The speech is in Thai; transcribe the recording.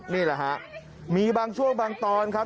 นี่แหละฮะมีบางช่วงบางตอนครับ